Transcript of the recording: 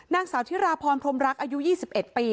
นางสาวธิราพรพรมรักอายุ๒๑ปี